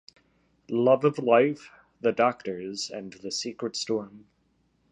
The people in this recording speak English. "Love of Life", "The Doctors", and "The Secret Storm".